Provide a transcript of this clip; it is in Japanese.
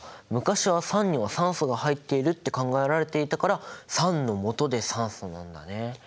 昔は酸には酸素が入っているって考えられていたから「酸」の「素」で酸素なんだね。